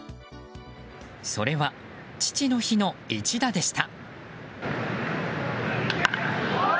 それは父の日の一打でした。